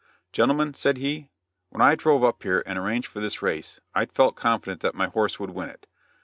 "Gentlemen," said he, "when I drove up here and arranged for this race, I felt confident that my horse would win it.